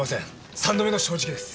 三度目の正直です！